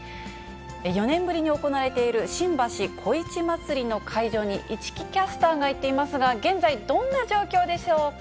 ４年ぶりに行われている新橋こいち祭の会場に、市來キャスターが行っていますが、現在、どんな状況でしょうか。